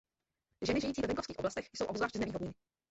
Ženy žijící ve venkovských oblastech jsou obzvlášť znevýhodněny.